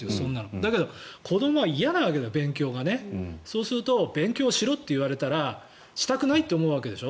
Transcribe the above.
だけど、子どもは嫌なわけだ勉強がね。そうすると勉強しろと言われたらしたくないって思うわけでしょ。